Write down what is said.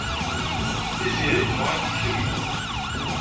Tiziri tebɣa-kem kemm.